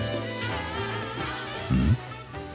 うん？